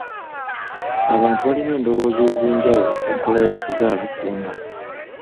Abantu balina endowooza ez'enjawulo ku nkola ya kizaalaggumba.